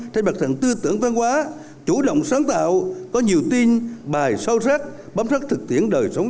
trên bậc sẵn tư tưởng văn hóa chủ động sáng tạo có nhiều tin bài sâu sắc bấm sắc thực tiễn đời sống